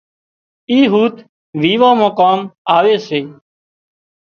اِي هوٿ ويوان مان ڪام آوي سي